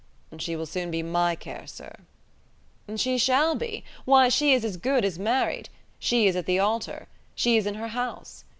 "She will soon be my care, sir." "She shall be. Why, she is as good as married. She is at the altar. She is in her house.